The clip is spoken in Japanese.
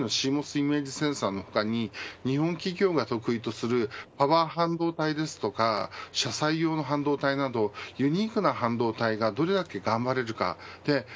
イメージセンサーの他に日本企業が得意とするパワー半導体ですとか車載用の半導体などユニークな半導体がどれだけ頑張れるか。